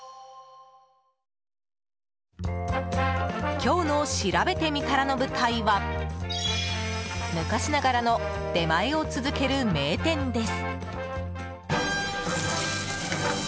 今日のしらべてみたらの舞台は昔ながらの出前を続ける名店です。